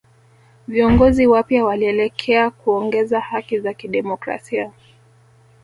Viongozi wapya walielekea kuongeza haki za kidemokrasia